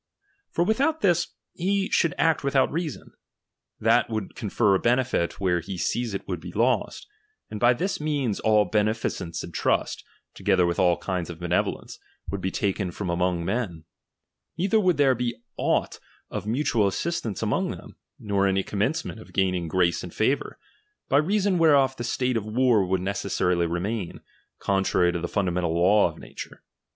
For without this, he should act without reason, that would confer a benefit where he sees it would be lost J and by this means all beneficence and trust, together with all kind of benevolence, would be taken from among men, neither would there be anght of mutual assistance among them, nor any commencement of gaining grace and favour ; by reason whereof the state of war w'ould necessarily remain, contrary to the fundamental law of na ture.